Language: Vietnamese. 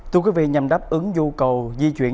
thưa quý vị nhằm đáp ứng nhu cầu di chuyển